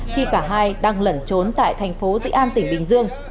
khi cả hai đang lẩn trốn tại thành phố dị an tỉnh bình dương